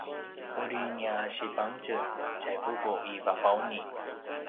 uri nia sipangtjez tjai vuvu i Vavauni